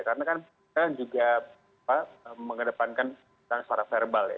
karena kan juga pak mengedepankan secara verbal ya